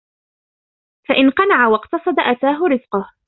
فَإِنْ قَنَعَ وَاقْتَصَدَ أَتَاهُ رِزْقُهُ